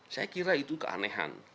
saya kira itu keanehan